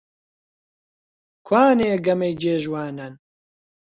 کوانێ گەمەی جێ ژوانان؟